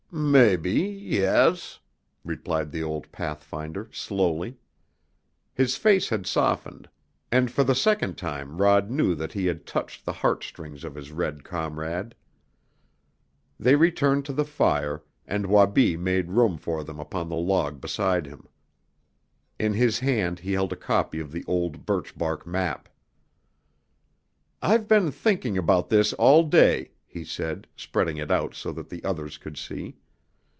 "Mebby yes," replied the old pathfinder slowly. His face had softened, and for the second time Rod knew that he had touched the heartstrings of his red comrade. They returned to the fire, and Wabi made room for them upon the log beside him. In his hand he held a copy of the old birch bark map. "I've been thinking about this all day," he said, spreading it out so that the others could see.